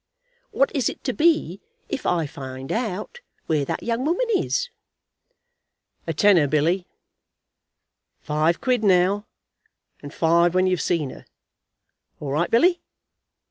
What is it to be, if I find out where that young woman is?" "A tenner, Billy." "Five quid now, and five when you've seen her." "All right, Billy."